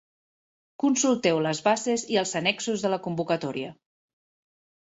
Consulteu les bases i els annexos de la convocatòria.